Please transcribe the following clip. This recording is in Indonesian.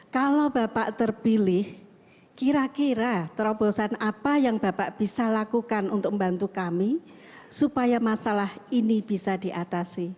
kalau bapak terpilih kira kira terobosan apa yang bapak bisa lakukan untuk membantu kami supaya masalah ini bisa diatasi